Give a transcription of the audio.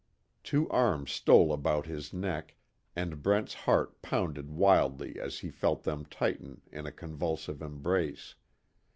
Two arms stole about his neck, and Brent's heart pounded wildly as he felt them tighten in a convulsive embrace.